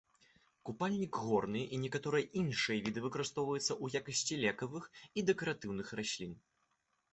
Купальнік горны і некаторыя іншыя віды выкарыстоўваюцца ў якасці лекавых і дэкаратыўных раслін.